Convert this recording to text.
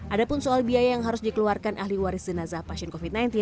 ada pun soal biaya yang harus dikeluarkan ahli waris jenazah pasien covid sembilan belas